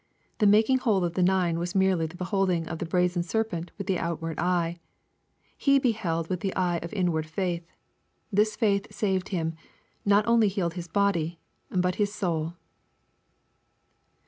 The making whole of the nine was merely the beholding of the brazen serpent with the outward eye. He be held with the eye of inward faith. This feith saved him ;— ^not only healed his body, but his soul."